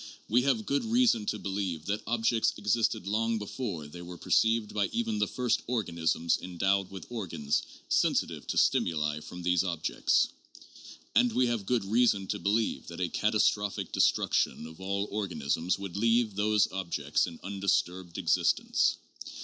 We have good reason to believe that objects existed long before they were perceived by even the first organisms endowed with organs sensitive to stimuli from those objects ; and we have good reason to believe that a catastrophic destruction of all organisms would leave those objects in undisturbed existence.